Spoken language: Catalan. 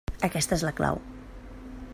Aquesta és la clau.